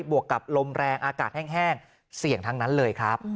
วกกับลมแรงอากาศแห้งเสี่ยงทั้งนั้นเลยครับ